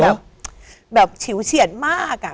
แบบแบบฉิวเฉียนมากอะ